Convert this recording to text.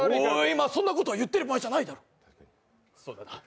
今そんなことを言ってる場合じゃないだろう。